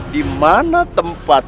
di mana tempat